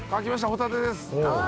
ホタテです。